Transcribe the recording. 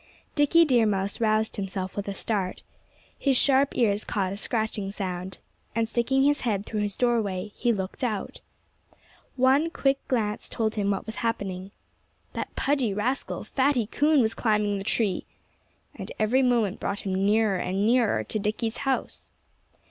Dickie Deer Mouse roused himself with a start. His sharp ears caught a scratching sound. And sticking his head through his doorway, he looked out. One quick glance told him what was happening. That pudgy rascal, Fatty Coon, was climbing the tree! And every moment brought him nearer and nearer to Dickie's house.